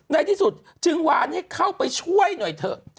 ในที่สุดจึงวานให้เข้าไปช่วยหน่อยเถอะ